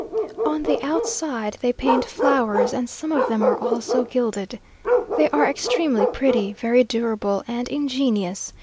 On the outside they paint flowers, and some of them are also gilded. They are extremely pretty, very durable and ingenious.